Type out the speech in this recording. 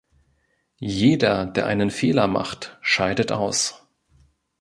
Jeder, der einen Fehler macht, scheidet aus.